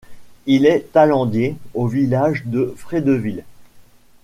Il est taillandier au village de Frédeville.